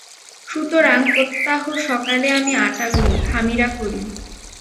সুতরাং প্রত্যহ সকালে আমি আটা গুলি, খামিরা করি।